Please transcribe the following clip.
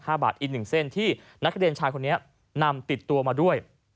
ของคำปลอมหลัก๕บาทอีก๑เส้นที่นักกระเด็นชายคนนี้นำติดตัวมาด้วย